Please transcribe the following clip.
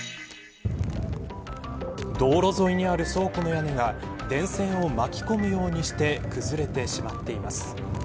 道路沿いにある倉庫の屋根が電線を巻き込むようにして崩れてしまっています。